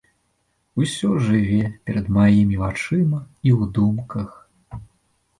Усё жыве перад маімі вачыма і ў думках.